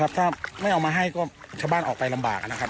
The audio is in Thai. หรือเป็นเลือดนะครับให้หนังแล้วก็ถ้าบ้านออกไปลำบากอ่าน่ะครับ